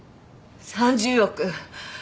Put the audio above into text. ３０億。